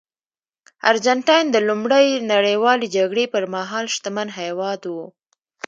ارجنټاین د لومړۍ نړیوالې جګړې پرمهال شتمن هېواد و.